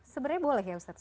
sebenarnya boleh ya ustaz